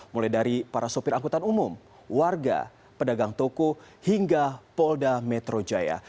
mulai dari para sopir angkutan umum warga pedagang toko hingga polda metro jaya